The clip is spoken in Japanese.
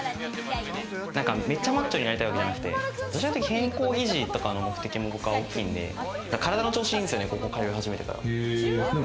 めっちゃマッチョになりたいわけじゃなくて、健康維持とかの目的が僕は大きいんで、体の調子がいいんですよね、ここ通い始めてから。